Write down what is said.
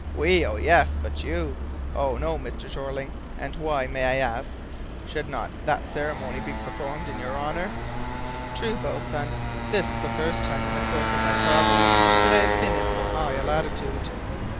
"We! Oh, yes! But you! Oh, no, Mr. Jeorling. And why, may I ask, should not that ceremony be performed in your honour?" "True, boatswain; this is the first time in the course of my travels that I have been in so high a latitude."